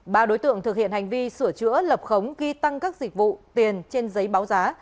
ba đối tượng thực hiện hành vi sửa chữa lập khống ghi tăng các dịch vụ tiền trên giấy báo giá